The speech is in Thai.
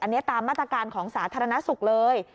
อันนี้ตามมาตรการของสาธารณสุขเลย